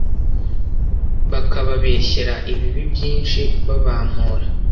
bakababeshyera ibibi byinshi babampora.